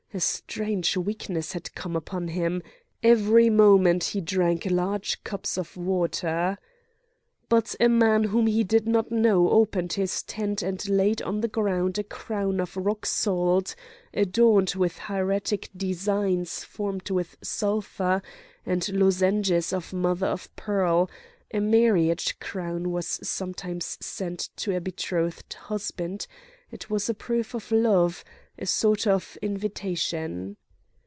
A strange weakness had come upon him; every moment he drank large cups of water. But a man whom he did not know opened his tent and laid on the ground a crown of rock salt, adorned with hieratic designs formed with sulphur, and lozenges of mother of pearl; a marriage crown was sometimes sent to a betrothed husband; it was a proof of love, a sort of invitation.